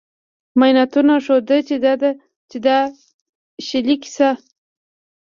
معایناتو ښوده چې د اشلي کیسه